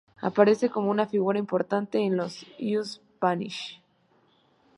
Aparece como una figura importante en los "Upanishads".